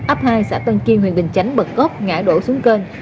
ấp hai xã tân kiên huyện bình chánh bật gốc ngã đổ xuống cơn